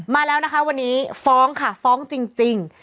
มาแล้วนะคะวันนี้ฟ้องค่ะฟ้องจริง